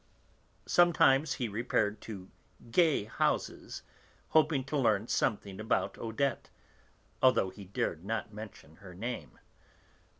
Sometimes he repaired to 'gay' houses, hoping to learn something about Odette, although he dared not mention her name.